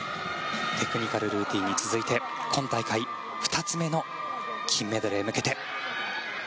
テクニカル・ルーティンに続いて今大会２つ目の金メダルへ向けて。